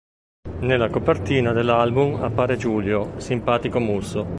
Nella copertina dell'album appare Giulio, simpatico "musso".